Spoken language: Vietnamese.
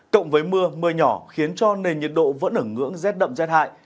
cộng với mưa mưa nhỏ khiến cho nền nhiệt độ vẫn ở ngưỡng rét đậm rét hại